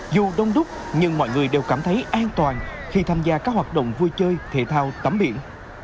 dù đông đúc nhưng mọi người đều cảm thấy an toàn khi tham gia các hoạt động vui chơi thể thao tắm biển